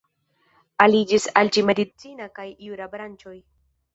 Aliĝis al ĝi medicina kaj jura branĉoj.